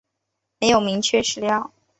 没有明确史料